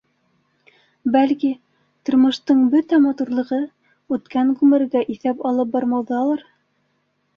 Бәлки, тормоштоң бөтә матурлығы үткән ғүмергә иҫәп алып бармауҙалыр?